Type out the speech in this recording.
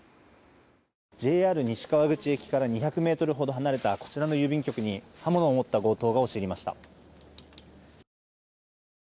ＪＲ西川口駅から２００ｍほど離れたこちらの郵便局に刃物を持った強盗が押し入りました。